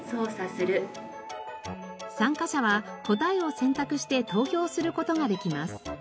参加者は答えを選択して投票する事ができます。